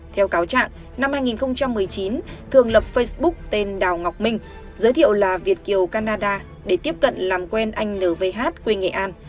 theo cáo trạng năm hai nghìn một mươi chín thường lập facebook tên đào ngọc minh giới thiệu là việt kiều canada để tiếp cận làm quen anh lv h quê nghệ an